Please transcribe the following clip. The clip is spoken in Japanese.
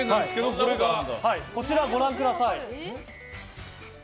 こちらをご覧ください。